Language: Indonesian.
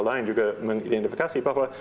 lain juga mengidentifikasi bahwa